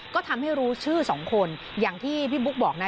ก็ทำให้รู้ชื่อสองคนอย่างที่พี่บุ๊กบอกนะ